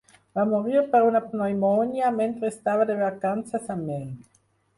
Va morir per una pneumònia mentre estava de vacances a Maine.